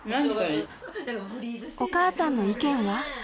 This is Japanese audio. お母さんの意見は？